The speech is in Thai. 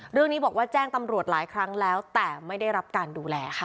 เรื่องนี้บอกว่าแจ้งตำรวจหลายครั้งแล้วแต่ไม่ได้รับการดูแลค่ะ